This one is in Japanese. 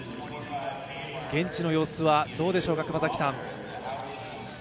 現地の様子はどうでしょうか。